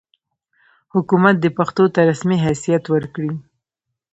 حکومت دې پښتو ته رسمي حیثیت ورکړي.